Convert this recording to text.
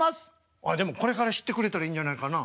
あっでもこれから知ってくれたらいいんじゃないかな？